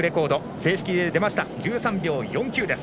正式出ました、１３秒４９です。